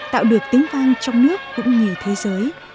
tạo được tiếng vang trong nước cũng như thế giới